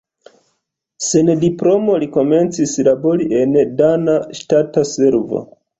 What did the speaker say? Sen diplomo li komencis labori en dana ŝtata servo.